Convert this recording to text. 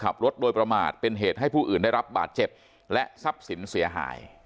ขับรถโดยประมาทเป็นเหตุให้ผู้อื่นได้รับบาดเจ็บและทรัพย์สินเสียหาย